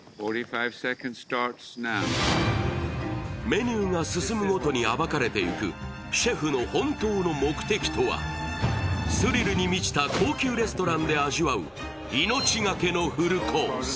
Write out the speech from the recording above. メニューが進むごとに暴かれていくシェフの本当の目的とはスリルに満ちた高級レストランで味わう命がけのフルコース。